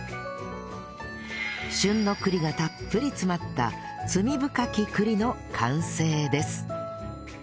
旬の栗がたっぷり詰まった罪深き栗の完成です